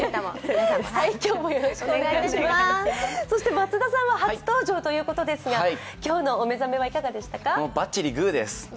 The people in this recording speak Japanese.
そして松田さんは初登場ということですが、